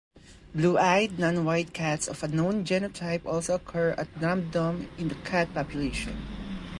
Blue-eyed non-white cats of unknown genotype also occur at random in the cat population.